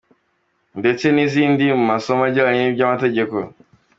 ndetse n’izindi mu masomo ajyanye n’iby’amategeko.